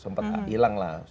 sempet ilang lah